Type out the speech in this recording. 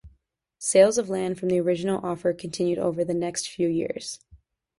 Sales of land from the original offer continued over the next few years.